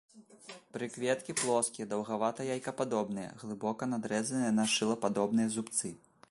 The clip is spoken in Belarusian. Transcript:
Прыкветкі плоскія, даўгавата-яйкападобныя, глыбока надрэзаныя на шылападобныя зубцы.